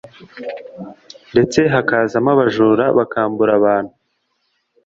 ndetse hakazamo abajura bakambura abantu